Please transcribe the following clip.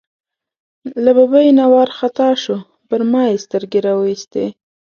له ببۍ نه وار خطا شو، پر ما یې سترګې را وایستې.